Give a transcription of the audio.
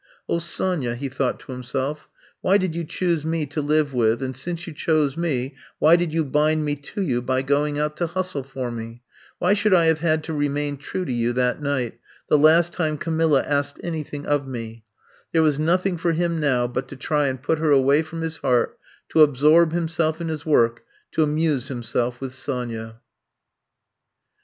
*^0h, Sonya,'' he thought to himself, why did you choose me to live with, and since you chose me, why did you bind me to you by going out to hustle for me f Why should I have hlid to remain true to you that night, the last time Camilla asked any thing of mef There was nothing for him now but to try and put her away from his heart, to absorb himself in his work, to amuse himself with Sonya.